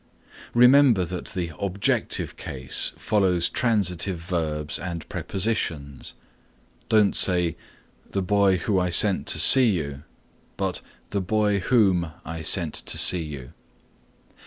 Remember that the objective case follows transitive verbs and prepositions. Don't say "The boy who I sent to see you," but "The boy whom I sent to see you."